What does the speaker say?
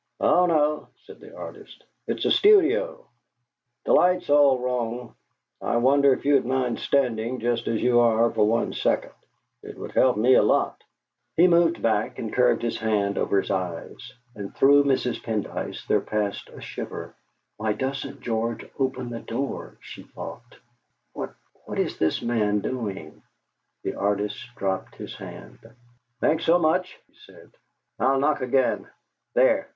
"Oh no," said the artist; "it's a studio. The light's all wrong. I wonder if you would mind standing just as you are for one second; it would help me a lot!" He moved back and curved his hand over his eyes, and through Mrs. Pendyce there passed a shiver. '.hy doesn't George open the door?' she thought. 'What what is this man doing?' The artist dropped his hand. "Thanks so much!" he said. "I'll knock again. There!